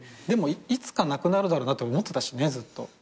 でもいつかなくなるだろうなって思ってたしねずっと。